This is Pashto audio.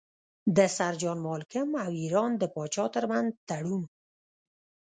د سر جان مالکم او ایران د پاچا ترمنځ تړون.